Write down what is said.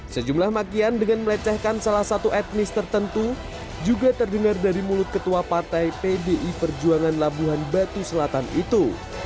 sejumlah makian dengan melecehkan salah satu etnis tertentu juga terdengar dari mulut ketua partai pdi perjuangan labuhan batu selatan itu